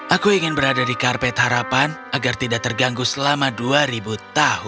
aku ingin berada di karpet harapan agar tidak terganggu selama dua ribu tahun